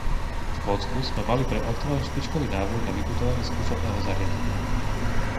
V Škótsku sme mali pre elektráreň špičkový návrh na vybudovanie skúšobného zariadenia.